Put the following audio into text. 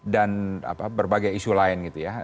dan berbagai isu lain gitu ya